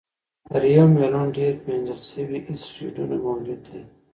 تر یو میلیون ډېر پېژندل شوي اسټروېډونه موجود دي.